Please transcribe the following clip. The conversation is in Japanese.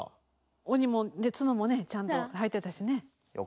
鬼も角もねちゃんと生えてたしね。